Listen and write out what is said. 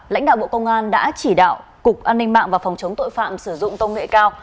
lãnh đạo bộ công an đã chỉ đạo cục an ninh mạng và phòng chống tội phạm sử dụng công nghệ cao